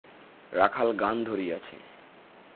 রাখাল গান ধরিয়াছে।